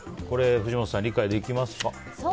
これ、藤本さん理解できますか？